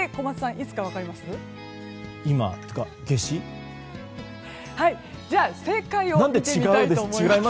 はいじゃあ正解を見てみたいと思います。